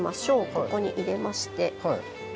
ここに入れまして。